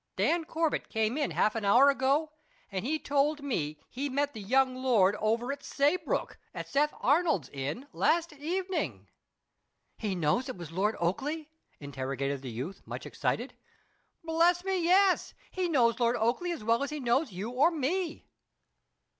Dan Corbett came in half an hour ago and told me he met the young lord over at Saybrook, at Seth Arnold's inn, last evening." "He knows it was Lord Oakleigh?" interrogated the youth, much excited. "Bless ye, yes! He knows Lord Oakleigh as well as he knows you or me."